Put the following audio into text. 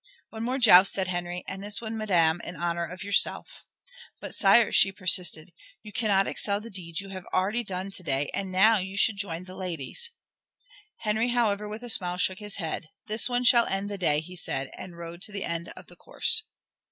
"One more joust," said Henry, "and this one, madame, in honor of yourself." "But, sire," she persisted, "you cannot excel the deeds you have already done to day, and now you should join the ladies." Henry, however, with a smile, shook his head. "This one shall end the day," he said, and rode to his end of the course.